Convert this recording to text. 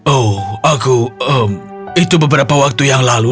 oh aku itu beberapa waktu yang lalu